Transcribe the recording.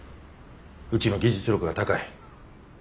うちの技術力は高い。